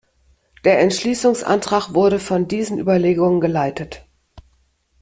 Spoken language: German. Der Entschließungsantrag wurde von diesen Überlegungen geleitet.